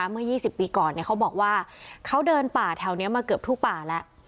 เมื่อ๒๐ปีก่อนเขาบอกว่าเขาเดินป่าแถวนี้มาเกือบทุกป่าแล้ว